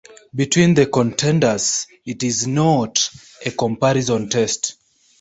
Between the contenders, it is not a comparison test.